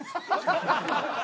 ハハハハ！